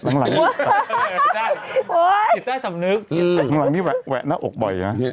มันหลังที่แหวะแหวะหน้าอกบ่อยนะ